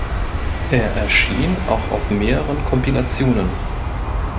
Er erschien auch auf mehreren Kompilationen.